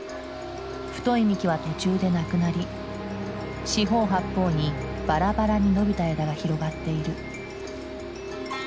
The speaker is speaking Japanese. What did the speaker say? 太い幹は途中でなくなり四方八方にバラバラに伸びた枝が広がっている。